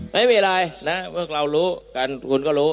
ไม่มีอะไรนะพวกเรารู้กันคุณก็รู้